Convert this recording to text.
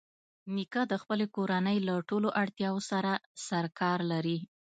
نیکه د خپلې کورنۍ له ټولو اړتیاوو سره سرکار لري.